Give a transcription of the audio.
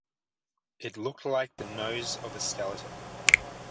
It looked like the nose of a skeleton.